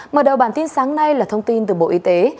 mở đầu bản tin sáng nay là thông tin từ bộ y tế